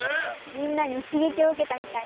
みんなにしげきをうけたみたい。